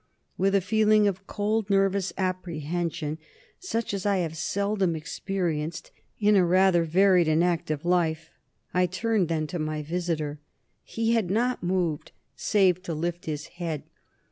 With a feeling of cold, nervous apprehension such as I have seldom experienced in a rather varied and active life, I turned then to my visitor. He had not moved, save to lift his head.